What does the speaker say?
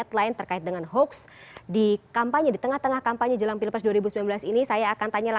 kita bahas di segmen berikutnya